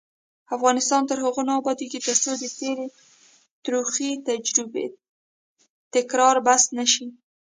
افغانستان تر هغو نه ابادیږي، ترڅو د تېرې تروخې تجربې تکرار بس نه شي.